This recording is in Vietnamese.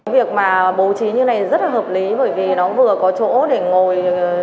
việc mà bố trí như này rất là hợp lý bởi vì nó vừa có chỗ để ngồi